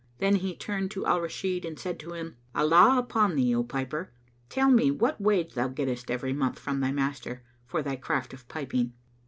Then he turned to Al Rashid and said to him, "Allah upon thee, O piper, tell me what wage thou gettest every month from thy master, for thy craft of piping."